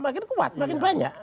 makin kuat makin banyak